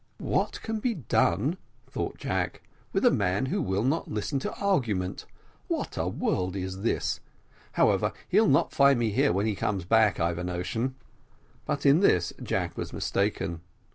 "What can be done," thought Jack, "with a man who will not listen to argument? What a world is this! however, he'll not find me here when he comes back, I've a notion." But in this Jack was mistaken.